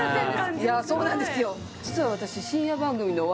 すごいそうなんですよ